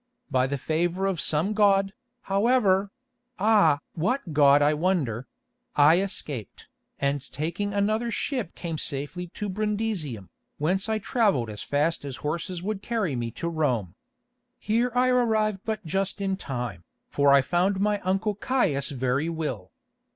By the favour of some god, however—ah! what god I wonder—I escaped, and taking another ship came safely to Brundisium, whence I travelled as fast as horses would carry me to Rome. Here I arrived but just in time, for I found my uncle Caius very ill.